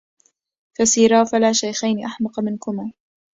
فسيرا فلا شيخين أحمق منكما